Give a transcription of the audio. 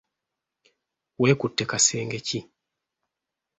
Wekutte kasenge ki?